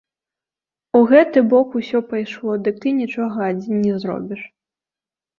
У гэты бок усё пайшло, дык ты нічога адзін не зробіш.